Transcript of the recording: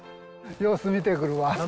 様子見てくるわ。